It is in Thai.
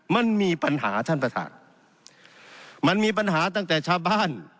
มันมีปัญหาท่านประธานมันมีปัญหาตั้งแต่ชาวบ้าน